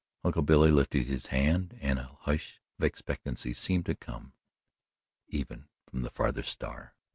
Uncle Billy lifted his hand and a hush of expectancy seemed to come even from the farthest star.